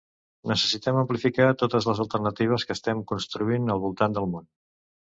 Necessitem amplificar totes les alternatives que estem construint al voltant del món.